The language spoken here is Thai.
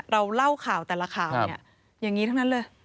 เราเล่าข่าวแต่ละข่าวเนี่ยอย่างนี้ทั้งนั้นเลย